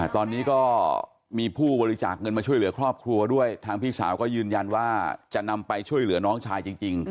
ตอนนี้ก็มีผู้บริจาคเงินมาช่วยเหลือครอบครัวด้วยทางพี่สาวก็ยืนยันว่าจะนำไปช่วยเหลือน้องชายจริง